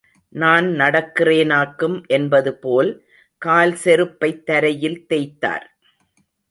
நான் நடக்கிறேனாக்கும் என்பதுபோல், கால் செருப்பைத் தரையில் தேய்த்தார்.